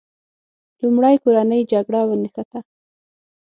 لومړی کورنۍ جګړه ونښته.